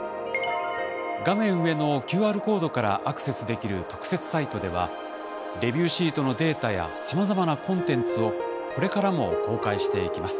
画面上のＱＲコードからアクセスできる特設サイトではレビューシートのデータやさまざまなコンテンツをこれからも公開していきます。